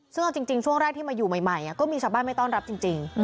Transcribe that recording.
ซึ่งเอาจริงช่วงแรกที่มาอยู่ใหม่ก็มีชาวบ้านไม่ต้อนรับจริง